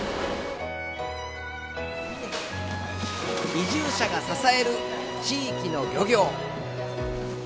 移住者が支える地域の漁業。